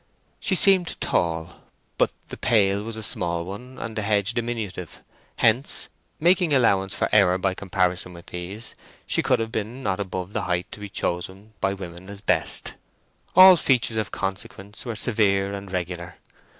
She seemed tall, but the pail was a small one, and the hedge diminutive; hence, making allowance for error by comparison with these, she could have been not above the height to be chosen by women as best. All features of consequence were severe and regular.